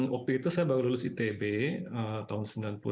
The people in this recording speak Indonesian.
waktu itu saya baru lulus itb tahun seribu sembilan ratus sembilan puluh delapan